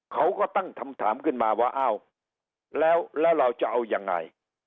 เขาก็ตั้งคำถามขึ้นมาว่าอ้าวแล้วเราจะเอายังไง